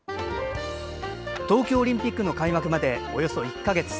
東京オリンピックの開幕までおよそ１か月。